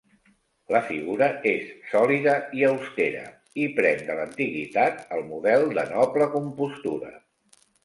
La figura és sòlida i austera, i pren de l'antiguitat el model de noble compostura.